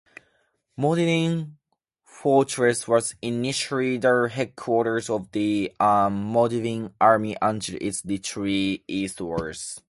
Modlin Fortress was initially the headquarters of the Modlin Army until its retreat eastwards.